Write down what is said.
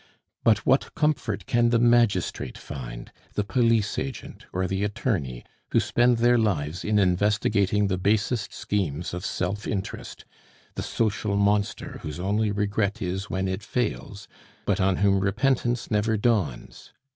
But what comfort can the magistrate find, the police agent, or the attorney, who spend their lives in investigating the basest schemes of self interest, the social monster whose only regret is when it fails, but on whom repentance never dawns?